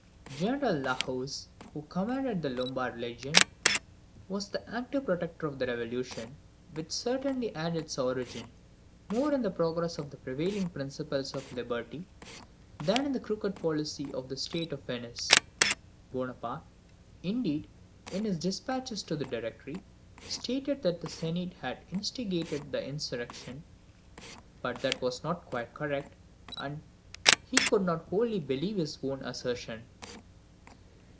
General La Hoz, who commanded the Lombard Legion, was the active protector of the revolution, which certainly had its origin more in the progress of the prevailing principles of liberty than in the crooked policy of the Senate of Venice. Bonaparte, indeed, in his despatches to the Directory, stated that the Senate had instigated the insurrection; but that was not quite correct, and he could not wholly believe his own assertion.